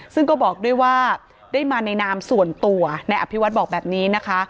ซึ่งก็บอกด้วยว่าได้มาในนามส่วนตัวนายอภิวัฒน์บอกแบบนี้นะคะ